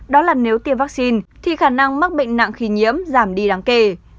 đó là nếu tiêm vaccine thì khả năng mắc bệnh nặng khi nhiễm giảm đi đáng kể